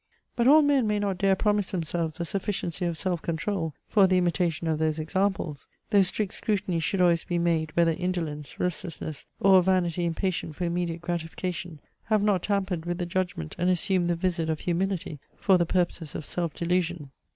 But all men may not dare promise themselves a sufficiency of self control for the imitation of those examples: though strict scrutiny should always be made, whether indolence, restlessness, or a vanity impatient for immediate gratification, have not tampered with the judgment and assumed the vizard of humility for the purposes of self delusion.